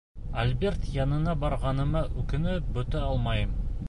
Альберт янына барғаныма үкенеп бөтә алмайым.